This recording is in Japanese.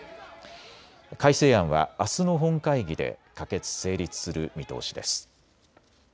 改正案はあすの本会議で可決・成立する見通しです。